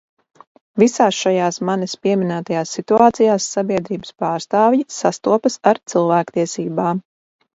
Visās šajās manis pieminētajās situācijās sabiedrības pārstāvji sastopas ar cilvēktiesībām.